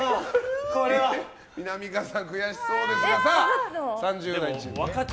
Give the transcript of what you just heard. みなみかわさん悔しそうですが３０代チーム。